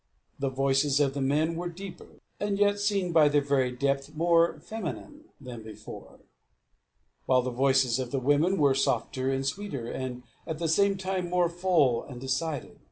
The voices of the men were deeper, and yet seemed by their very depth more feminine than before; while the voices of the women were softer and sweeter, and at the same time more full and decided.